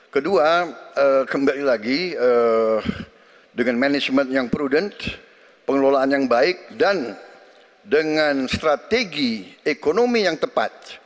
kedua kembali lagi dengan manajemen yang prudent pengelolaan yang baik dan dengan strategi ekonomi yang tepat